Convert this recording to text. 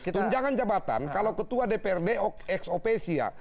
tunjangan jabatan kalau ketua dprd x opecia